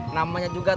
namanya juga tis